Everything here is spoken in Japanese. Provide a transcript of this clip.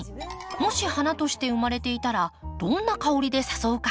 もし花として生まれていたらどんな香りで誘うか。